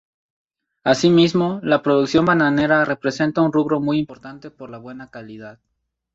Así mismo, la producción bananera representa un rubro muy importante por la buena calidad.